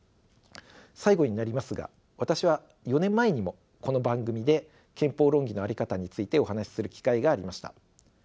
最後になりますが私は４年前にもこの番組で憲法論議の在り方についてお話しする機会がありました。